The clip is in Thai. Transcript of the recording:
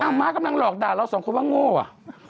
พี่หนึ่งมาก็กำลังหลอกด่าเรา๒คนว่างโง่ว่ะ